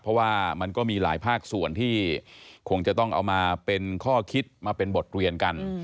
เพราะว่ามันก็มีหลายภาคส่วนที่คงจะต้องเอามาเป็นข้อคิดมาเป็นบทเรียนกัน